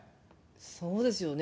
そうですよね。